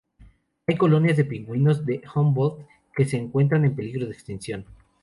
Hay colonias de pingüinos de Humboldt que se encuentran en peligro de extinción.